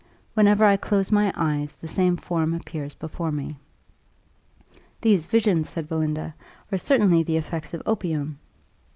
Whenever I close my eyes the same form appears before me." "These visions," said Belinda, "are certainly the effects of opium."